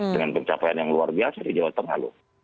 dengan pencapaian yang luar biasa di jawa tengah loh